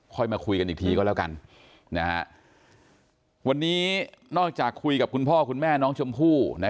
มาคุยกันอีกทีก็แล้วกันวันนี้นอกจากคุยกับคุณพ่อคุณแม่น้องชมพู่